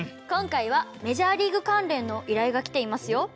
今回はメジャーリーグ関連の依頼が来ていますよ。